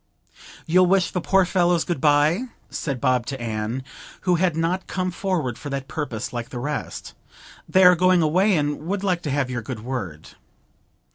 'You'll wish the poor fellows good bye?' said Bob to Anne, who had not come forward for that purpose like the rest. 'They are going away, and would like to have your good word.'